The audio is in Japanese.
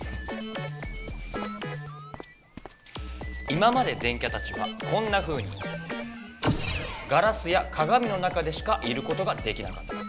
今まで電キャたちはこんなふうにガラスやかがみの中でしかいることができなかった。